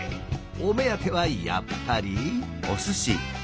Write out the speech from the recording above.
お目当てはやっぱり。